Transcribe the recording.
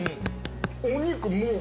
お肉もう。